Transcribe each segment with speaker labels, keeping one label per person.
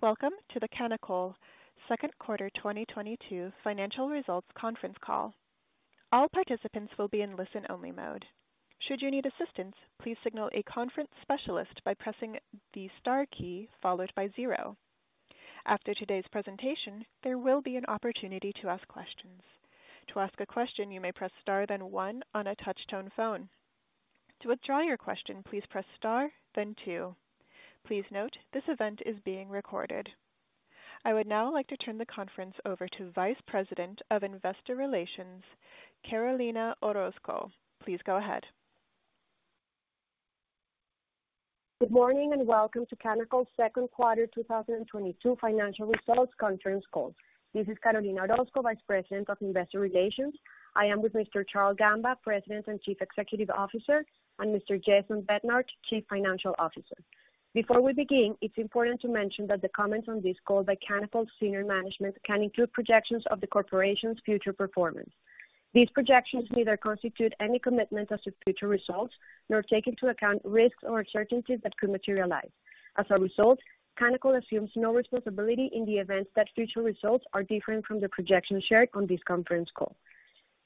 Speaker 1: Welcome to the Canacol second quarter 2022 financial results conference call. All participants will be in listen-only mode. Should you need assistance, please signal a conference specialist by pressing the star key followed by zero. After today's presentation, there will be an opportunity to ask questions. To ask a question, you may press Star then one on a touchtone phone. To withdraw your question, please press Star then two. Please note this event is being recorded. I would now like to turn the conference over to Vice President of Investor Relations, Carolina Orozco. Please go ahead.
Speaker 2: Good morning and welcome to Canacol's second quarter 2022 financial results conference call. This is Carolina Orozco, Vice President of Investor Relations. I am with Mr. Charle Gamba, President and Chief Executive Officer, and Mr. Jason Bednar, Chief Financial Officer. Before we begin, it's important to mention that the comments on this call by Canacol senior management can include projections of the corporation's future performance. These projections neither constitute any commitment as to future results, nor take into account risks or uncertainties that could materialize. As a result, Canacol assumes no responsibility in the event that future results are different from the projections shared on this conference call.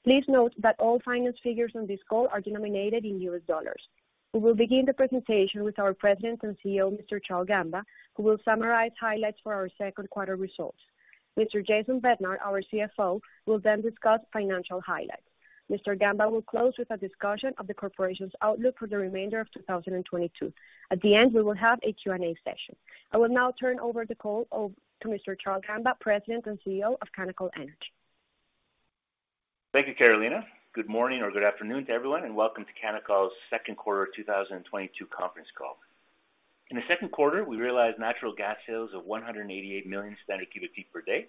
Speaker 2: Please note that all finance figures on this call are denominated in US dollars. We will begin the presentation with our President and CEO, Mr. Charle Gamba, who will summarize highlights for our second quarter results. Mr. Jason Bednar, our CFO, will then discuss financial highlights. Mr. Gamba will close with a discussion of the corporation's outlook for the remainder of 2022. At the end, we will have a Q&A session. I will now turn over the call to Mr. Charle Gamba, President and CEO of Canacol Energy.
Speaker 3: Thank you, Carolina. Good morning or good afternoon to everyone, and welcome to Canacol's second quarter 2022 conference call. In the second quarter, we realized natural gas sales of 188 million standard cubic feet per day,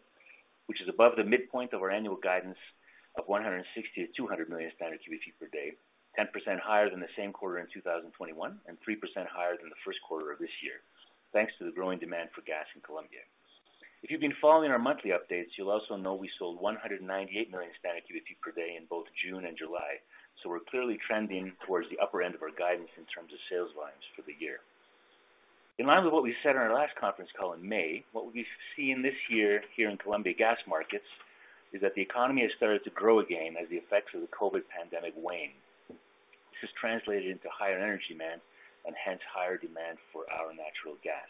Speaker 3: which is above the midpoint of our annual guidance of 160-200 million standard cubic feet per day, 10% higher than the same quarter in 2021, and 3% higher than the first quarter of this year, thanks to the growing demand for gas in Colombia. If you've been following our monthly updates, you'll also know we sold 198 million standard cubic feet per day in both June and July, so we're clearly trending towards the upper end of our guidance in terms of sales lines for the year. In line with what we said in our last conference call in May, what we've seen this year here in Colombian gas markets is that the economy has started to grow again as the effects of the COVID pandemic wane. This has translated into higher energy demand and hence higher demand for our natural gas.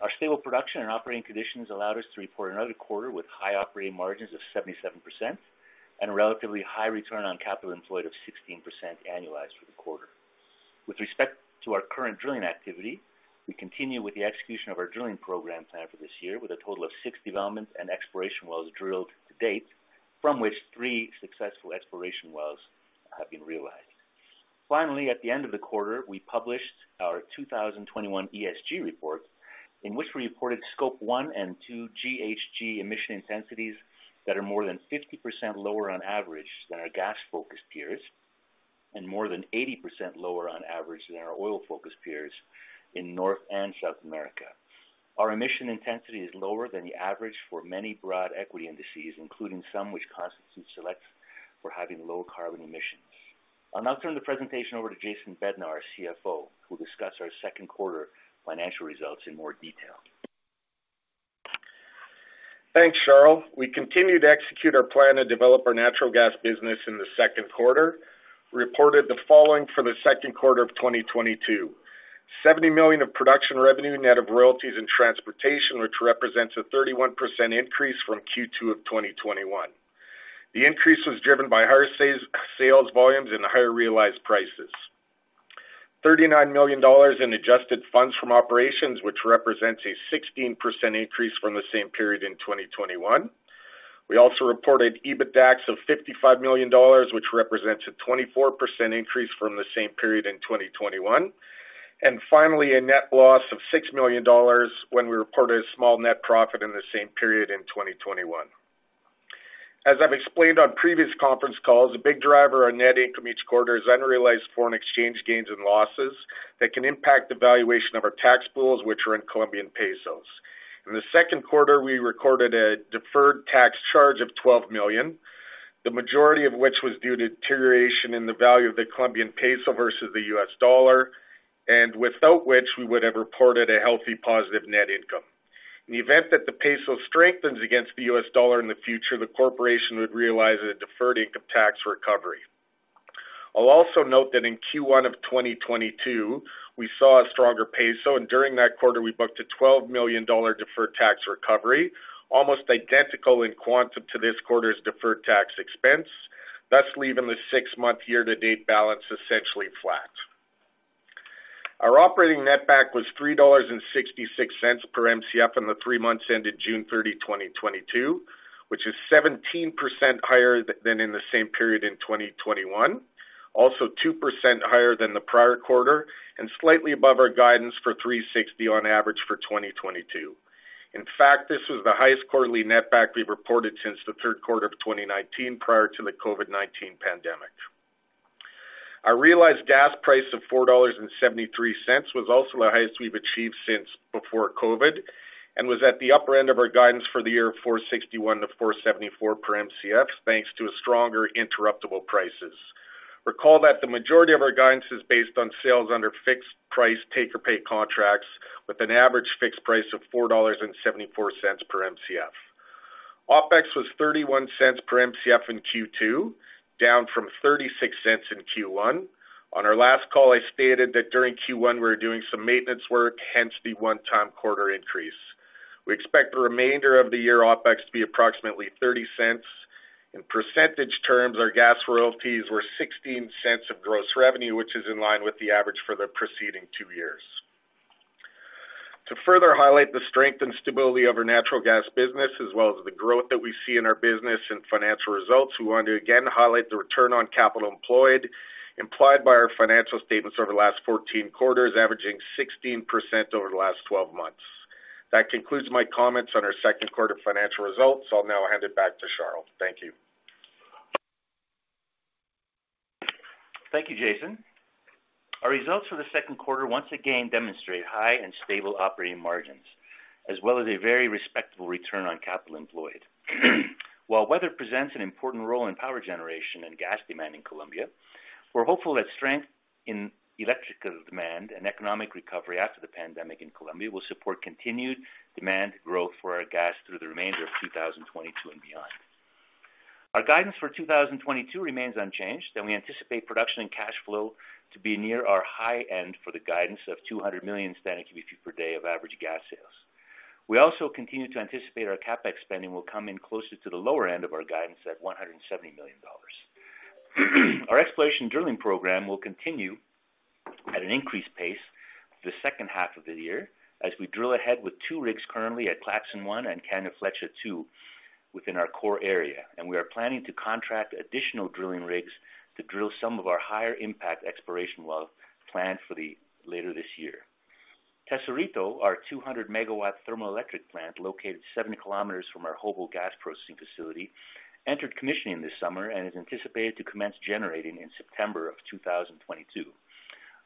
Speaker 3: Our stable production and operating conditions allowed us to report another quarter with high operating margins of 77% and a relatively high return on capital employed of 16% annualized for the quarter. With respect to our current drilling activity, we continue with the execution of our drilling program plan for this year with a total of six developments and exploration wells drilled to date, from which three successful exploration wells have been realized. Finally, at the end of the quarter, we published our 2021 ESG report, in which we reported Scope 1 and 2 GHG emission intensities that are more than 50% lower on average than our gas-focused peers and more than 80% lower on average than our oil-focused peers in North and South America. Our emission intensity is lower than the average for many broad equity indices, including some which constitute selects for having low carbon emissions. I'll now turn the presentation over to Jason Bednar, our CFO, who will discuss our second quarter financial results in more detail.
Speaker 4: Thanks, Charle. We continue to execute our plan to develop our natural gas business in the second quarter. Reported the following for Q2 2022: $70 million of production revenue net of royalties and transportation, which represents a 31% increase from Q2 2021. The increase was driven by higher sales volumes and higher realized prices. $39 million in adjusted funds from operations, which represents a 16% increase from the same period in 2021. We also reported EBITDAX of $55 million, which represents a 24% increase from the same period in 2021. Finally, a net loss of $6 million when we reported a small net profit in the same period in 2021. As I've explained on previous conference calls, the big driver on net income each quarter is unrealized foreign exchange gains and losses that can impact the valuation of our tax pools, which are in Colombian Pesos. In the second quarter, we recorded a deferred tax charge of $12 million, the majority of which was due to deterioration in the value of the Colombian Peso versus the US dollar, and without which we would have reported a healthy positive net income. In the event that the Peso strengthens against the US dollar in the future, the corporation would realize a deferred income tax recovery. I'll also note that in Q1 of 2022, we saw a stronger Peso, and during that quarter, we booked a $12 million deferred tax recovery, almost identical in quantum to this quarter's deferred tax expense, thus leaving the six-month year-to-date balance essentially flat. Our operating netback was $3.66 per Mcf in the three months ended June 30, 2022, which is 17% higher than in the same period in 2021. 2% higher than the prior quarter and slightly above our guidance for $3.60 on average for 2022. In fact, this was the highest quarterly netback we've reported since the third quarter of 2019, prior to the COVID-19 pandemic. Our realized gas price of $4.73 was also the highest we've achieved since before COVID. It was at the upper end of our guidance for the year, $4.61-$4.74 per Mcf, thanks to a stronger interruptible prices. Recall that the majority of our guidance is based on sales under fixed-price take-or-pay contracts with an average fixed price of $4.74 per Mcf. OpEx was $0.31 per Mcf in Q2, down from $0.36 in Q1. On our last call, I stated that during Q1, we were doing some maintenance work, hence the one-time quarter increase. We expect the remainder of the year OpEx to be approximately $0.30. In percentage terms, our gas royalties were $0.16 of gross revenue, which is in line with the average for the preceding two years. To further highlight the strength and stability of our natural gas business, as well as the growth that we see in our business and financial results, we want to again highlight the return on capital employed, implied by our financial statements over the last 14 quarters, averaging 16% over the last 12 months. That concludes my comments on our second quarter financial results. I'll now hand it back to Charle. Thank you.
Speaker 3: Thank you, Jason. Our results for the second quarter once again demonstrate high and stable operating margins, as well as a very respectable return on capital employed. While weather presents an important role in power generation and gas demand in Colombia, we're hopeful that strength in electrical demand and economic recovery after the pandemic in Colombia will support continued demand growth for our gas through the remainder of 2022 and beyond. Our guidance for 2022 remains unchanged, and we anticipate production and cash flow to be near our high end for the guidance of 200 million standard cubic feet per day of average gas sales. We also continue to anticipate our CapEx spending will come in closer to the lower end of our guidance at $170 million. Our exploration drilling program will continue at an increased pace the second half of the year as we drill ahead with two rigs currently at Claxon I and Cañaflecha II within our core area. We are planning to contract additional drilling rigs to drill some of our higher impact exploration wells planned for later this year. Tesorito, our 200MW thermoelectric plant located seven kilometers from our Jobo gas processing facility, entered commissioning this summer and is anticipated to commence generating in September of 2022.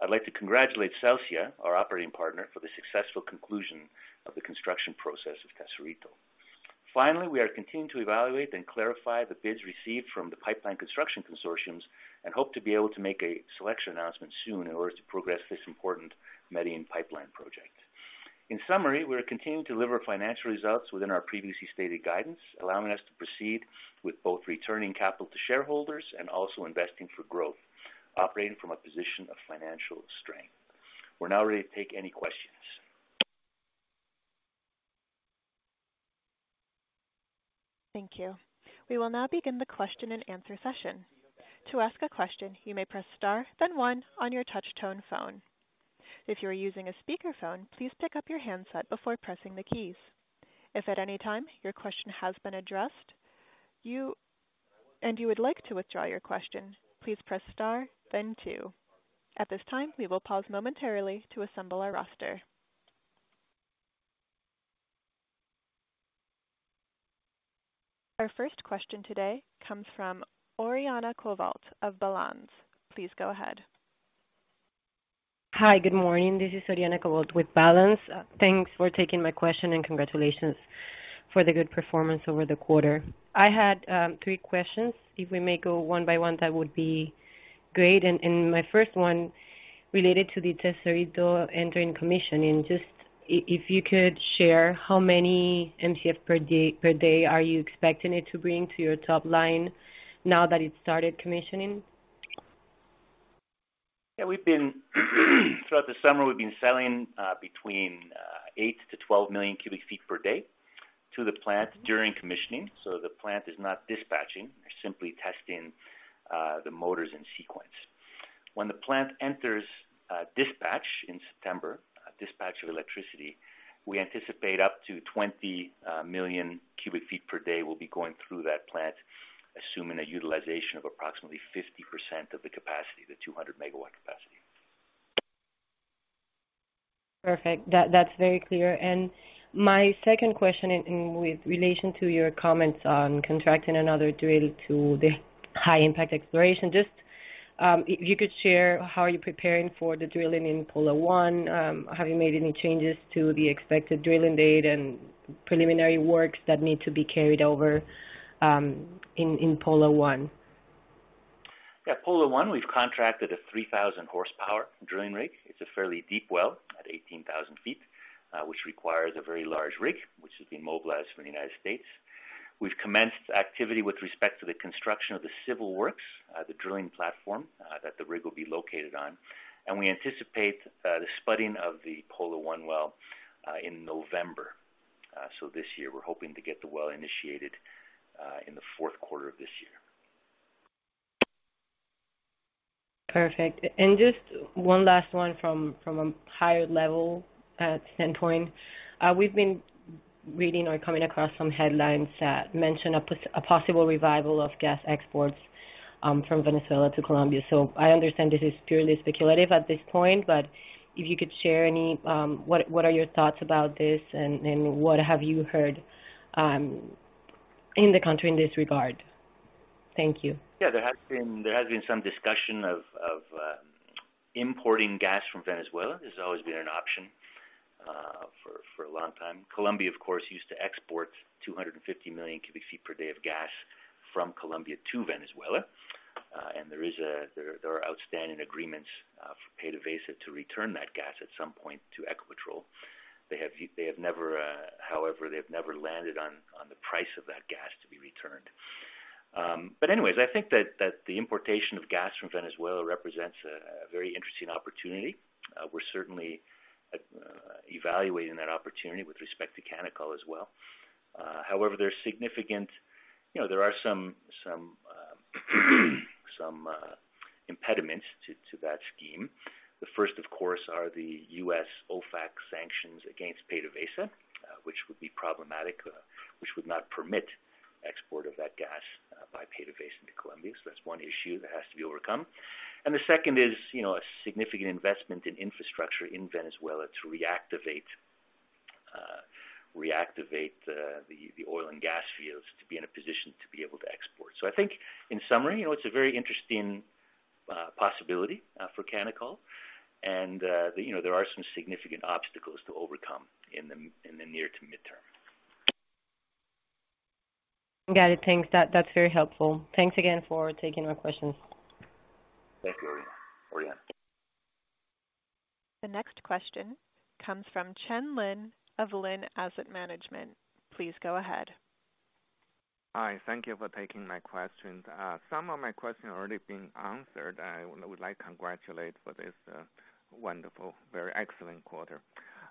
Speaker 3: I'd like to congratulate Celsia, our operating partner, for the successful conclusion of the construction process of Tesorito. Finally, we are continuing to evaluate and clarify the bids received from the pipeline construction consortiums and hope to be able to make a selection announcement soon in order to progress this important Medellín pipeline project. In summary, we're continuing to deliver financial results within our previously stated guidance, allowing us to proceed with both returning capital to shareholders and also investing for growth, operating from a position of financial strength. We're now ready to take any questions.
Speaker 1: Thank you. We will now begin the question-and-answer session. To ask a question, you may press star, then one on your touch tone phone. If you are using a speakerphone, please pick up your handset before pressing the keys. If at any time your question has been addressed and you would like to withdraw your question, please press star, then two. At this time, we will pause momentarily to assemble our roster. Our first question today comes from Oriana Kovaliova of Balanz Capital. Please go ahead.
Speaker 5: Hi. Good morning. This is Oriana Kovaliova with Balanz. Thanks for taking my question and congratulations for the good performance over the quarter. I had three questions. If we may go one by one, that would be great. My first one related to the Tesorito entering commissioning. Just if you could share how many Mcf per day are you expecting it to bring to your top line now that it started commissioning?
Speaker 3: Throughout the summer, we've been selling between 8-12 million cubic feet per day to the plant during commissioning, so the plant is not dispatching. They're simply testing the motors in sequence. When the plant enters dispatch in September, dispatch of electricity, we anticipate up to 20 million cubic feet per day will be going through that plant, assuming a utilization of approximately 50% of the capacity, the 200MW capacity.
Speaker 5: Perfect. That's very clear. My second question in relation to your comments on contracting another drill to the high impact exploration, just if you could share how are you preparing for the drilling in Polo I. Have you made any changes to the expected drilling date and preliminary works that need to be carried over in Polo I?
Speaker 3: Yeah. Polo I, we've contracted a 3,000 horsepower drilling rig. It's a fairly deep well at 18,000 feet, which requires a very large rig, which is being mobilized from the United States. We've commenced activity with respect to the construction of the civil works, the drilling platform, that the rig will be located on. We anticipate the spudding of the Polo I well in November. This year, we're hoping to get the well initiated in the fourth quarter of this year.
Speaker 5: Perfect. Just one last one from a higher level at Canacol. We've been reading or coming across some headlines that mention a possible revival of gas exports from Venezuela to Colombia. I understand this is purely speculative at this point, but if you could share any. What are your thoughts about this, and what have you heard in the country in this regard? Thank you.
Speaker 3: Yeah. There has been some discussion of importing gas from Venezuela. This has always been an option for a long time. Colombia, of course, used to export 250 million cubic feet per day of gas from Colombia to Venezuela. There are outstanding agreements for PDVSA to return that gas at some point to Ecopetrol. They have never, however, landed on the price of that gas to be returned. I think that the importation of gas from Venezuela represents a very interesting opportunity. We're certainly evaluating that opportunity with respect to Canacol as well. However, there's significant. You know, there are some impediments to that scheme. The first, of course, are the U.S. OFAC sanctions against PDVSA, which would be problematic, which would not permit export of that gas by PDVSA into Colombia. That's one issue that has to be overcome. The second is, you know, a significant investment in infrastructure in Venezuela to reactivate the oil and gas fields to be in a position to be able to export. I think in summary, you know, it's a very interesting possibility for Canacol. You know, there are some significant obstacles to overcome in the near to midterm.
Speaker 5: Got it. Thanks. That's very helpful. Thanks again for taking my question.
Speaker 3: Thank you, Oriana.
Speaker 1: The next question comes from Chen Lin of Lin Asset Management. Please go ahead.
Speaker 6: Hi, thank you for taking my questions. Some of my questions have already been answered. I would like congratulate for this wonderful, very excellent quarter.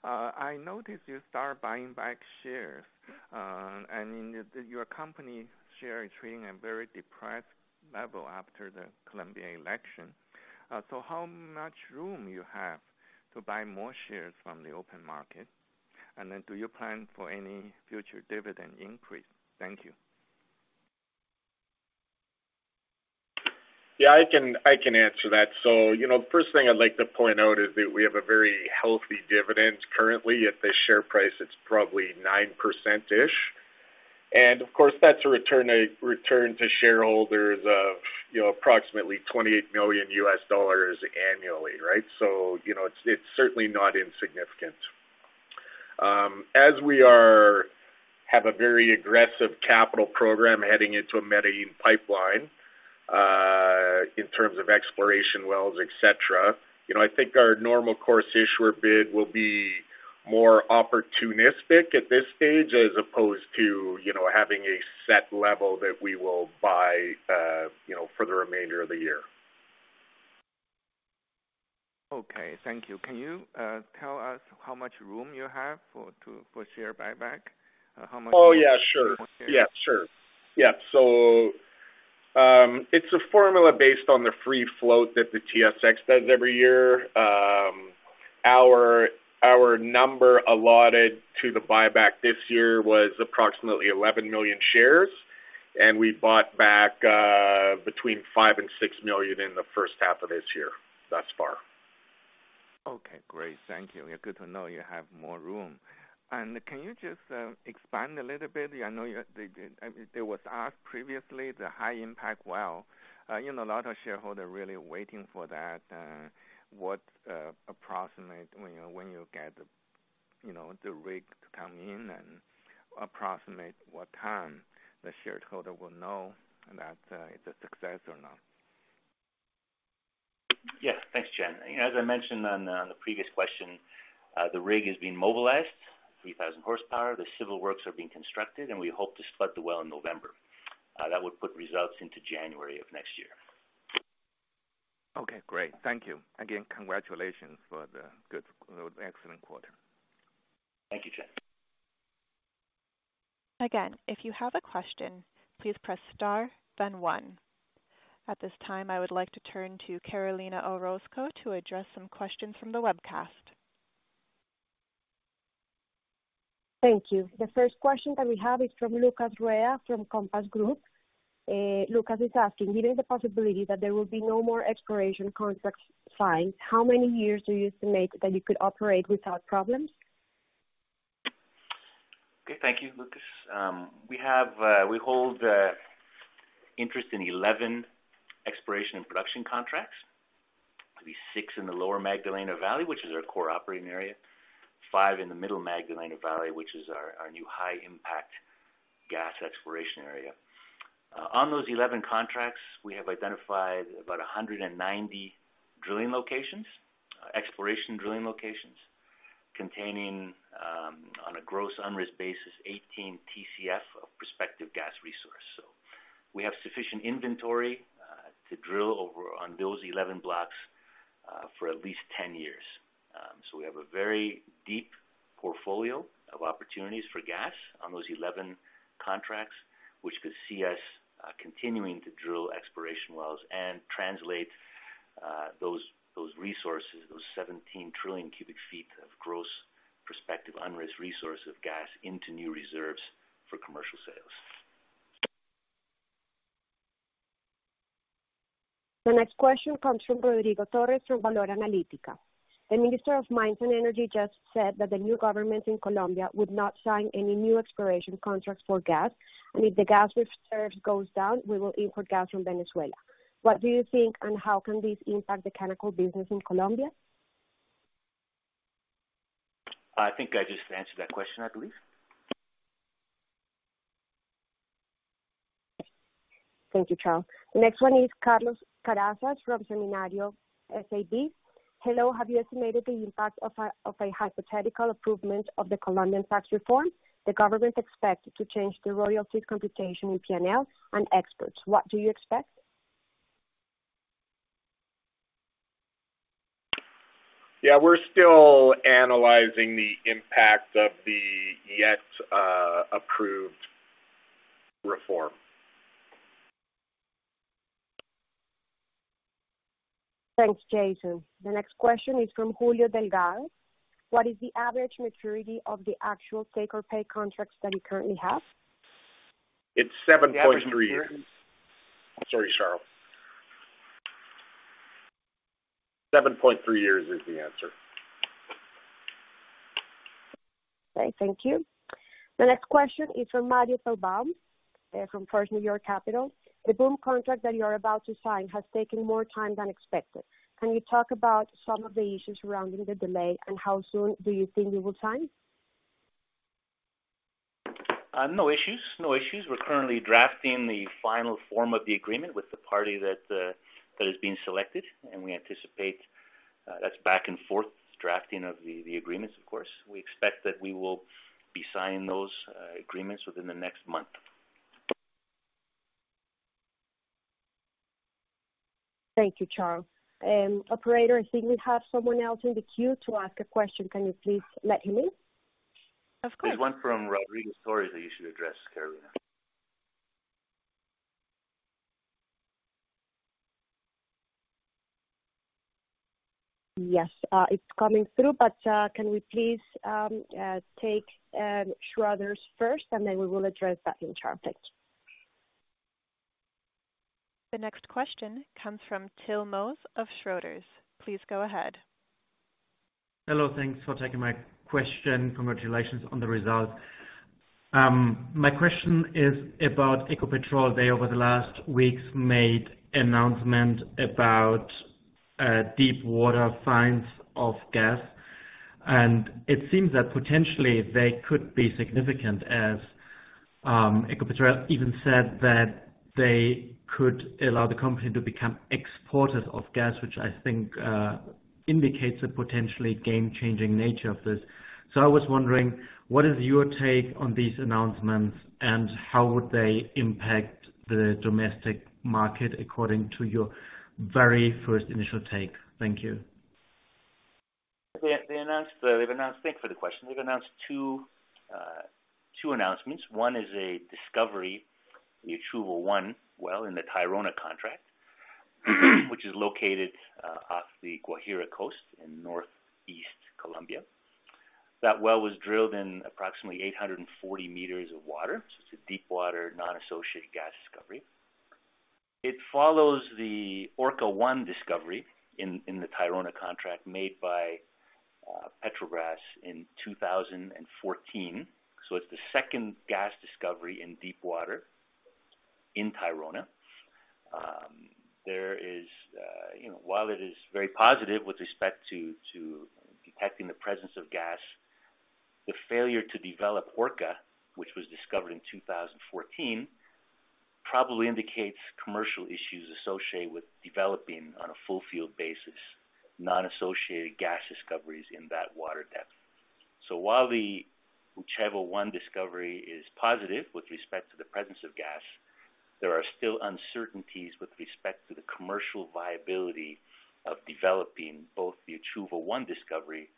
Speaker 6: I noticed you start buying back shares, and your company share is trading a very depressed level after the Colombian election. So how much room you have to buy more shares from the open market? Then do you plan for any future dividend increase? Thank you.
Speaker 3: Yeah, I can answer that. You know, the first thing I'd like to point out is that we have a very healthy dividend currently. At the share price, it's probably 9%-ish. Of course, that's a return to shareholders of, you know, approximately $28 million annually, right? You know, it's certainly not insignificant. As we have a very aggressive capital program heading into a Medellín pipeline, in terms of exploration wells, etc. You know, I think our normal course issuer bid will be more opportunistic at this stage as opposed to, you know, having a set level that we will buy, you know, for the remainder of the year.
Speaker 6: Okay, thank you. Can you tell us how much room you have for share buyback?
Speaker 3: Oh, yeah sure.
Speaker 6: more shares.
Speaker 3: It's a formula based on the free float that the TSX does every year. Our number allotted to the buyback this year was approximately 11 million shares, and we bought back between 5 and 6 million in the first half of this year, thus far.
Speaker 6: Okay, great. Thank you. Good to know you have more room. Can you just expand a little bit? I know it was asked previously, the high impact well. You know, a lot of shareholders are really waiting for that. What approximate when you get you know the rig to come in and approximate what time the shareholder will know that it's a success or not?
Speaker 3: Yes. Thanks, Chen. As I mentioned on the previous question, the rig is being mobilized, 3,000 horsepower. The civil works are being constructed, and we hope to spud the well in November. That would put results into January of next year.
Speaker 6: Okay, great. Thank you. Again, congratulations for the excellent quarter.
Speaker 3: Thank you, Chen.
Speaker 1: Again, if you have a question, please press star, then one. At this time, I would like to turn to Carolina Orozco to address some questions from the webcast.
Speaker 2: Thank you. The first question that we have is from Lucas Rey from Compass Group. Lucas is asking, given the possibility that there will be no more exploration contract signs, how many years do you estimate that you could operate without problems?
Speaker 3: Okay, thank you Lucas. We hold interest in 11 exploration and production contracts. It'll be six in the lower Magdalena Valley, which is our core operating area. Five in the middle Magdalena Valley, which is our new high impact gas exploration area. On those 11 contracts, we have identified about 190 drilling locations, exploration drilling locations containing, on a gross unrisked basis, 18 TCF of prospective gas resource. We have sufficient inventory to drill over on those 11 blocks for at least 10 years. We have a very deep portfolio of opportunities for gas on those 11 contracts, which could see us continuing to drill exploration wells and translate those resources, 17 trillion cubic feet of gross prospective unrisked resource of gas into new reserves for commercial sales.
Speaker 2: The next question comes from Rodrigo Torres from Valora Analitik. The Minister of Mines and Energy just said that the new government in Colombia would not sign any new exploration contracts for gas, and if the gas reserves goes down, we will import gas from Venezuela. What do you think and how can this impact the chemical business in Colombia?
Speaker 3: I think I just answered that question, at least.
Speaker 2: Thank you, Charle. The next one is Carlos Carazas from Seminario SAB. Hello. Have you estimated the impact of a hypothetical improvement of the Colombian tax reform? The government expect to change the royalty computation in P&L and OpEx. What do you expect?
Speaker 4: Yeah, we're still analyzing the impact of the not yet approved reform.
Speaker 2: Thanks, Jason. The next question is from Julio Delgado. What is the average maturity of the actual take or pay contracts that you currently have?
Speaker 4: It's 7.3 years.
Speaker 3: The average maturity.
Speaker 4: Sorry, Charle. 7.3 years is the answer.
Speaker 2: Okay, thank you. The next question is from Mario Farren, from First New York Capital. The BOOM contract that you're about to sign has taken more time than expected. Can you talk about some of the issues surrounding the delay and how soon do you think you will sign?
Speaker 3: No issues. We're currently drafting the final form of the agreement with the party that is being selected, and we anticipate that's back and forth drafting of the agreements, of course. We expect that we will be signing those agreements within the next month.
Speaker 2: Thank you, Charle. Operator, I think we have someone else in the queue to ask a question. Can you please let him in?
Speaker 1: Of course.
Speaker 3: There's one from Rodrigo Torres that you should address, Carolina.
Speaker 2: Yes, it's coming through, but can we please take Schroders first, and then we will address that in chart. Thank you.
Speaker 1: The next question comes from Till Moos of Schroders. Please go ahead.
Speaker 7: Hello. Thanks for taking my question. Congratulations on the results. My question is about Ecopetrol. They, over the last weeks, made announcement about deep water finds of gas, and it seems that potentially they could be significant, as Ecopetrol even said that they could allow the company to become exporters of gas, which I think indicates a potentially game-changing nature of this. I was wondering, what is your take on these announcements, and how would they impact the domestic market according to your very first initial take? Thank you.
Speaker 3: They've announced. Thanks for the question. They've announced two announcements. One is a discovery, the Uchuva-1 well in the Tayrona contract, which is located off the Guajira Coast in northeast Colombia. That well was drilled in approximately 840 m of water. It's a deep water, non-associated gas discovery. It follows the Orca-1 discovery in the Tayrona contract made by Petrobras in 2014. It's the second gas discovery in deep water in Tayrona. While it is very positive with respect to detecting the presence of gas, the failure to develop Orca, which was discovered in 2014, probably indicates commercial issues associated with developing on a full field basis, non-associated gas discoveries in that water depth. While the Uchuva-1 discovery is positive with respect to the presence of gas, there are still uncertainties with respect to the commercial viability of developing both the Uchuva-1 discovery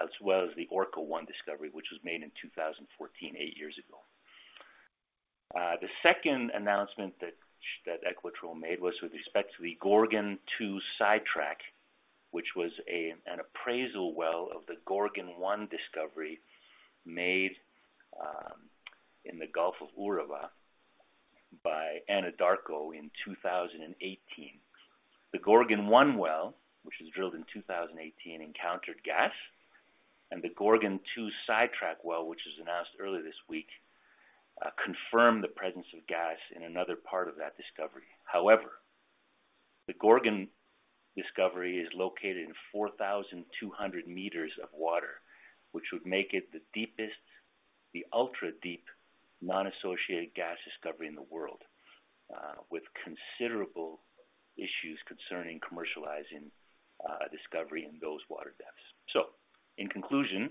Speaker 3: as well as the Orca-1 discovery, which was made in 2014, eight years ago. The second announcement that Ecopetrol made was with respect to the Gorgon-2 sidetrack, which was an appraisal well of the Gorgon-1 discovery made in the Gulf of Urabá by Anadarko in 2018. The Gorgon-1 well, which was drilled in 2018, encountered gas, and the Gorgon-2 sidetrack well, which was announced earlier this week, confirmed the presence of gas in another part of that discovery. However, the Gorgon discovery is located in 4,200 m of water, which would make it the deepest, the ultra-deep, non-associated gas discovery in the world, with considerable issues concerning commercializing discovery in those water depths. In conclusion,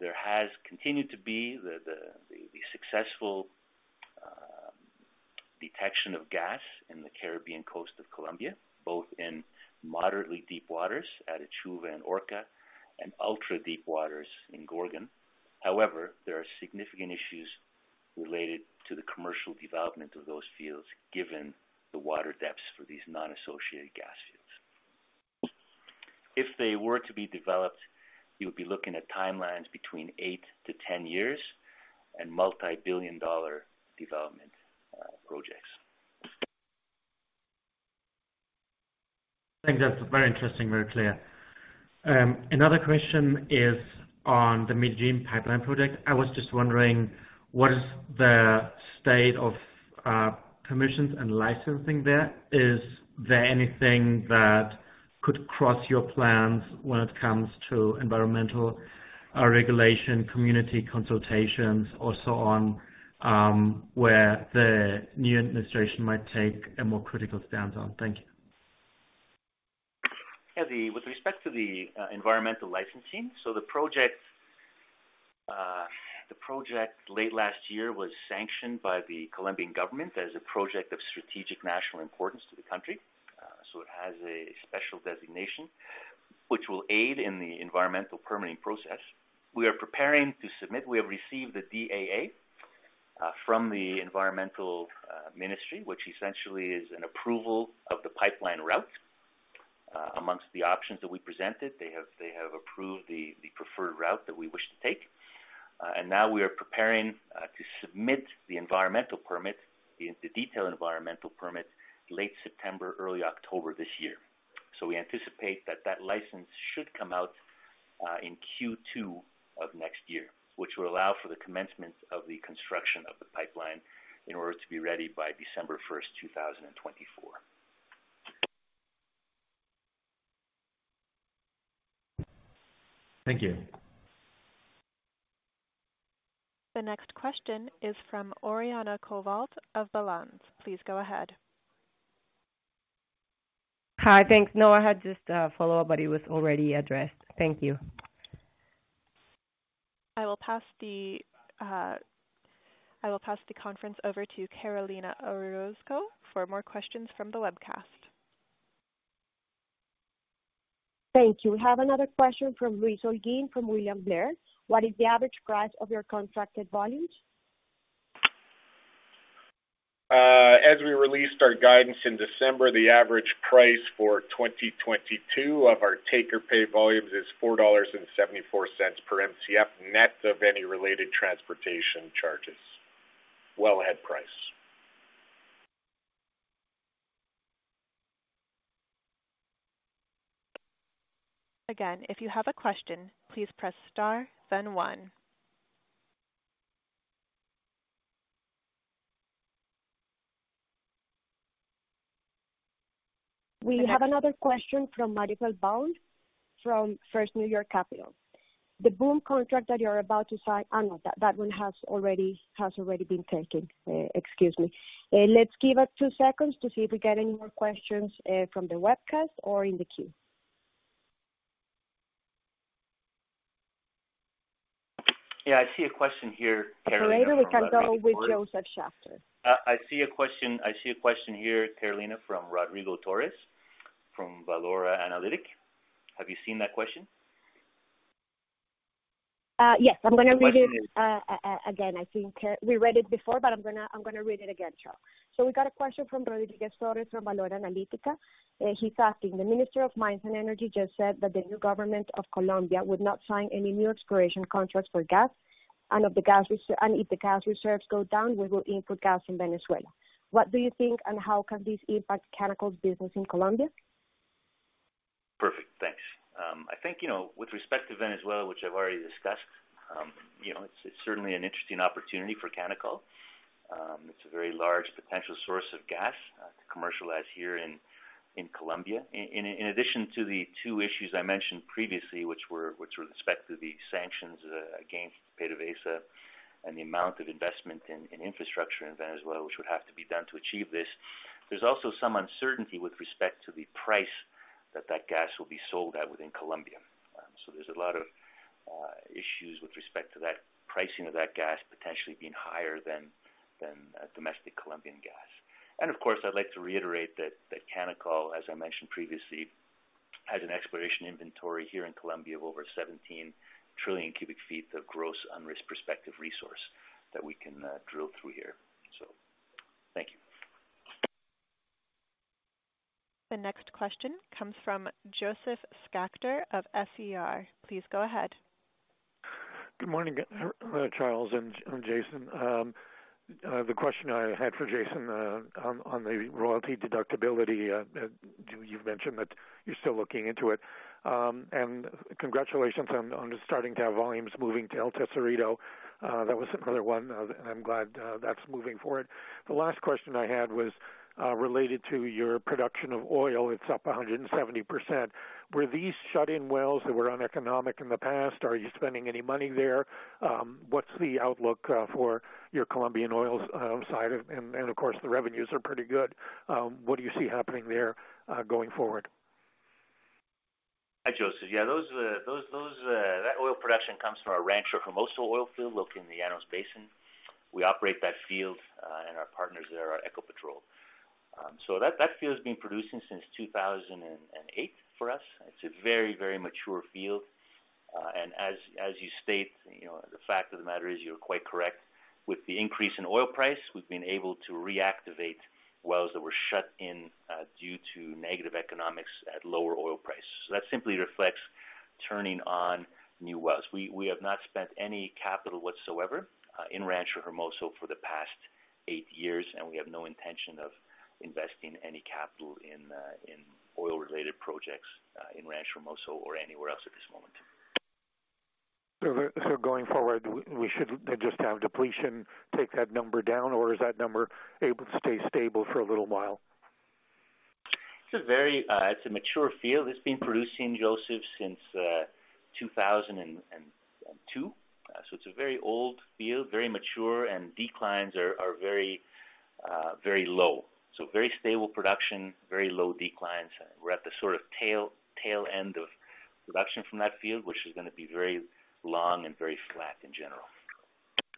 Speaker 3: there has continued to be successful detection of gas in the Caribbean coast of Colombia, both in moderately deep waters at Uchuva and Orca and ultra-deep waters in Gorgon. However, there are significant issues related to the commercial development of those fields, given the water depths for these non-associated gas fields. If they were to be developed, you would be looking at timelines between 8-10 years and multi-billion-dollar development projects.
Speaker 7: I think that's very interesting, very clear. Another question is on the Medellín pipeline project. I was just wondering, what is the state of permissions and licensing there? Is there anything that could cross your plans when it comes to environmental or regulation, community consultations or so on, where the new administration might take a more critical stance on? Thank you.
Speaker 3: Yeah. With respect to the environmental licensing. The project late last year was sanctioned by the Colombian government as a project of strategic national importance to the country. It has a special designation which will aid in the environmental permitting process. We are preparing to submit. We have received the DAA from the environmental ministry, which essentially is an approval of the pipeline route among the options that we presented. They have approved the preferred route that we wish to take. Now we are preparing to submit the detailed environmental permit late September, early October this year. We anticipate that the license should come out in Q2 of next year, which will allow for the commencement of the construction of the pipeline in order to be ready by December 1st, 2024.
Speaker 7: Thank you.
Speaker 1: The next question is from Oriana Kovaliova of Balanz. Please go ahead.
Speaker 5: Hi. Thanks. No, I had just a follow-up, but it was already addressed. Thank you.
Speaker 1: I will pass the conference over to Carolina Orozco for more questions from the webcast.
Speaker 2: Thank you. We have another question from Luis Olguin from William Blair. What is the average price of your contracted volumes?
Speaker 3: As we released our guidance in December, the average price for 2022 of our take-or-pay volumes is $4.74 per Mcf, net of any related transportation charges. Wellhead price.
Speaker 1: Again, if you have a question, please press star, then one.
Speaker 2: We have another question from Michael Bond from First New York Capital. No, that one has already been taken. Excuse me. Let's give us two seconds to see if we get any more questions from the webcast or in the queue.
Speaker 3: Yeah, I see a question here, Carolina, from
Speaker 2: Later we can go with Josef Schachter.
Speaker 3: I see a question here, Carolina, from Rodrigo Torres, from Valora Analitik. Have you seen that question?
Speaker 2: Yes. I'm gonna read it again. I think we read it before, but I'm gonna read it again, Charle. We got a question from Rodrigo Torres from Valora Analitik. He's asking, "The Minister of Mines and Energy just said that the new government of Colombia would not sign any new exploration contracts for gas. And if the gas reserves go down, we will import gas from Venezuela. What do you think and how can this impact Canacol's business in Colombia?
Speaker 3: Perfect. Thanks. I think, you know, with respect to Venezuela, which I've already discussed, you know, it's certainly an interesting opportunity for Canacol. It's a very large potential source of gas to commercialize here in Colombia. In addition to the two issues I mentioned previously, which were with respect to the sanctions against PDVSA and the amount of investment in infrastructure in Venezuela, which would have to be done to achieve this. There's also some uncertainty with respect to the price that that gas will be sold at within Colombia. There's a lot of issues with respect to that pricing of that gas potentially being higher than domestic Colombian gas. Of course, I'd like to reiterate that Canacol, as I mentioned previously, has an exploration inventory here in Colombia of over 17 trillion cubic feet of gross unrisked prospective resource that we can drill through here. Thank you.
Speaker 1: The next question comes from Josef Schachter of SER. Please go ahead.
Speaker 8: Good morning, Charle and Jason. The question I had for Jason on the royalty deductibility. You've mentioned that you're still looking into it. Congratulations on starting to have volumes moving to El Tesorito. That was another one, and I'm glad that's moving forward. The last question I had was related to your production of oil. It's up 170%. Were these shut-in wells that were uneconomic in the past? Are you spending any money there? What's the outlook for your Colombian oil side? Of course, the revenues are pretty good. What do you see happening there going forward?
Speaker 3: Hi, Josef. Yeah, those that oil production comes from our Rancho Hermoso oil field located in the Llanos Basin. We operate that field, and our partners there are Ecopetrol. That field's been producing since 2008 for us. It's a very mature field. As you state, you know, the fact of the matter is you're quite correct. With the increase in oil price, we've been able to reactivate wells that were shut in due to negative economics at lower oil price. That simply reflects turning on new wells. We have not spent any capital whatsoever in Rancho Hermoso for the past eight years, and we have no intention of investing any capital in oil-related projects in Rancho Hermoso or anywhere else at this moment.
Speaker 8: Going forward, we should then just have depletion take that number down, or is that number able to stay stable for a little while?
Speaker 3: It's a mature field. It's been producing, Josef, since 2002. It's a very old field, very mature, and declines are very low. Very stable production, very low declines. We're at the sort of tail end of production from that field, which is gonna be very long and very flat in general.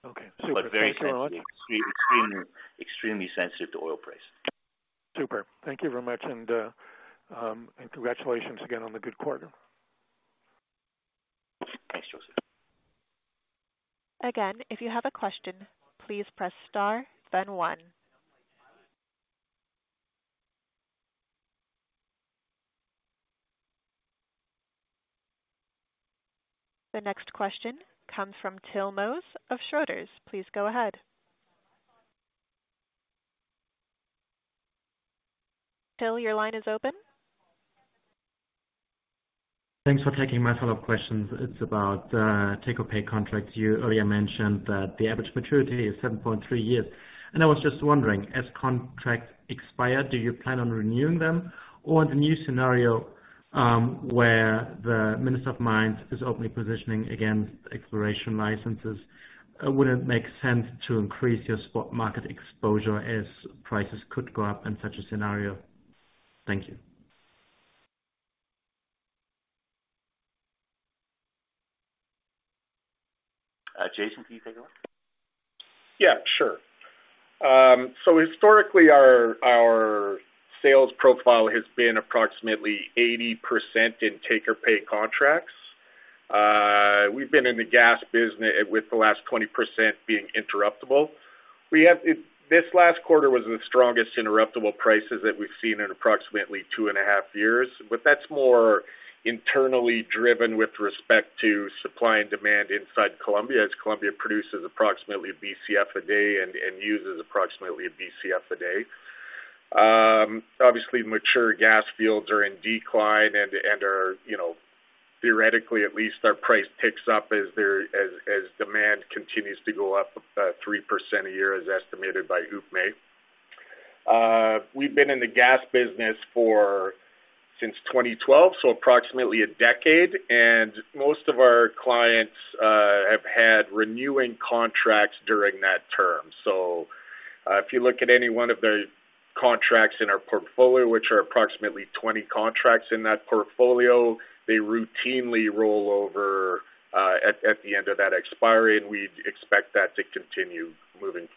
Speaker 8: Okay. Super. Thank you a lot.
Speaker 3: Very sensitive. Extremely sensitive to oil price.
Speaker 8: Super. Thank you very much, and congratulations again on the good quarter.
Speaker 3: Thanks, Josef.
Speaker 1: Again, if you have a question, please press star then one. The next question comes from Till Moos of Schroders. Please go ahead. Till, your line is open.
Speaker 7: Thanks for taking my follow-up questions. It's about take-or-pay contracts. You earlier mentioned that the average maturity is 7.3 years, and I was just wondering, as contracts expire, do you plan on renewing them? Or in the new scenario, where the Minister of Mines is openly positioning against exploration licenses, would it make sense to increase your spot market exposure as prices could go up in such a scenario? Thank you.
Speaker 3: Jason, can you take over?
Speaker 4: Yeah, sure. So historically our sales profile has been approximately 80% in take-or-pay contracts. We've been in the gas business with the last 20% being interruptible. This last quarter was the strongest interruptible prices that we've seen in approximately 2.5 years. That's more internally driven with respect to supply and demand inside Colombia, as Colombia produces approximately a Bcf a day and uses approximately a Bcf a day. Obviously mature gas fields are in decline and are, you know, theoretically at least our price ticks up as demand continues to go up about 3% a year, as estimated by UPME. We've been in the gas business since 2012, so approximately a decade, and most of our clients have had renewing contracts during that term. If you look at any one of the contracts in our portfolio, which are approximately 20 contracts in that portfolio, they routinely roll over at the end of that expiry, and we'd expect that to continue moving forward.